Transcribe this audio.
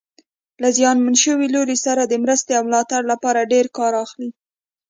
له زیانمن شوي لوري سره د مرستې او ملاتړ لپاره ډېر کار اخلي.